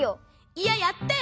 いややったよ！